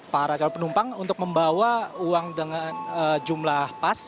para calon penumpang untuk membawa uang dengan jumlah pas